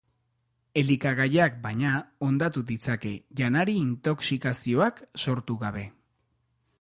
Elikagaiak, baina, hondatu ditzake, janari-intoxikazioak sortu gabe.